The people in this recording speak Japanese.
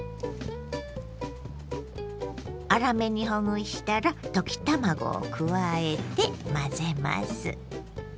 粗めにほぐしたら溶き卵を加えて混ぜます。